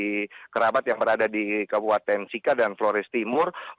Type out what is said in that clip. dan juga dari teman teman di kerabat yang berada di kabupaten sikat dan flores timur